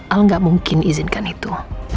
al gak mungkin izinkan itu